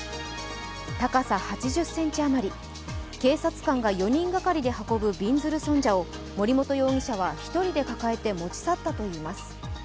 高さ８０ｃｍ余り、警察官が４人が仮で運ぶびんずる尊者を森本容疑者は１人で抱えて持ち去ったといいます。